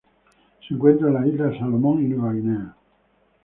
Se encuentra en las Islas Salomón y Nueva Guinea.